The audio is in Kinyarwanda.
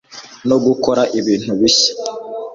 no gukora ibintu bishya